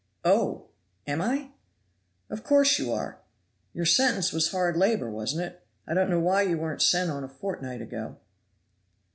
"Oh! am I?" "Of course you are. Your sentence was hard labor, wasn't it? I don't know why you weren't sent on a fortnight ago."